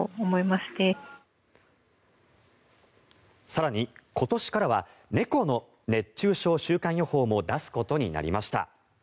更に、今年からは猫の熱中症週間予報も出すことになりました。